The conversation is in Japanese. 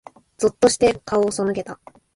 ぞっとして、顔を背けた。